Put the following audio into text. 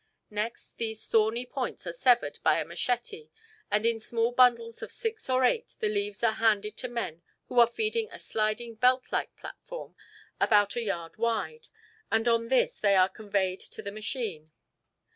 Next these thorny points are severed by a machete and in small bundles of six or eight the leaves are handed to men who are feeding a sliding belt like platform about a yard wide, and on this they are conveyed to the machine.